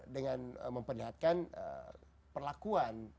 dengan memperlihatkan perlakuan